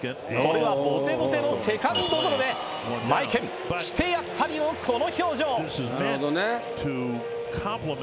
これはボテボテのセカンドゴロでマエケンしてやったりのこの表情。